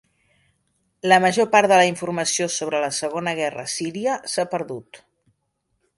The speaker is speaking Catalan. La major part de la informació sobre la segona guerra síria s'ha perdut.